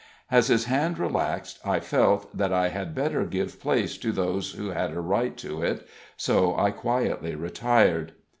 As his hand relaxed, I felt that I had better give place to those who had a right to it, so I quietly retired.